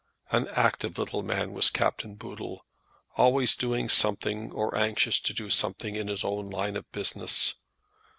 An active little man was Captain Boodle, always doing something or anxious to do something in his own line of business.